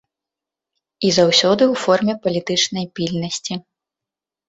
І заўсёды ў форме палітычнай пільнасці.